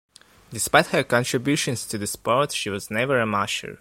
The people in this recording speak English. Despite her contributions to the sport, she was never a musher.